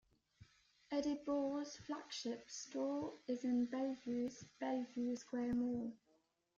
Eddie Bauer's flagship store is in Bellevue's Bellevue Square mall.